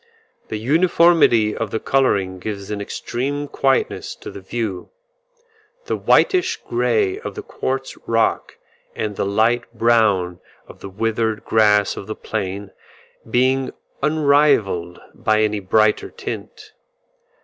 The uniformity of the colouring gives an extreme quietness to the view, the whitish grey of the quartz rock, and the light brown of the withered grass of the plain, being unrelieved by any brighter tint.